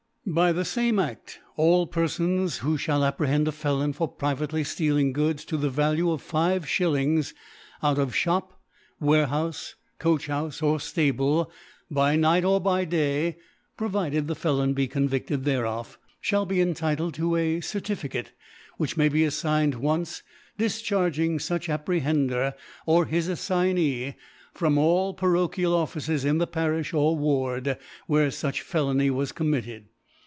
By the fame Aft all Perfons who fliall apprehend a Felon for p ivately ftealing Goods to the Value of 5 s. out of Shop,. Warehoufe, Coach houfe, or Stable, by Night or by Day (provided the Felon hi convifted thereof) Ihall be entitled to a Certificate which may be affigned once, difcharging fuch Apprehendcr or his Aflig nee from all Parochial Offices in the Parifh or Ward where fuch Felony was commit ted.